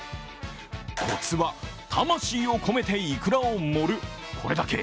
コツは、魂を込めてイクラを盛る、これだけ。